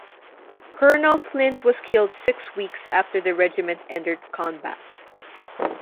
Colonel Flint was killed six weeks after the regiment entered combat.